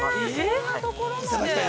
◆そんなところまで？